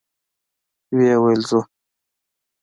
ويې ويل: ځو؟